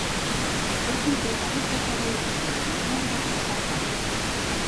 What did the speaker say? Per completar-ho faltava l'oxigen, llavors va pensar en l'aigua.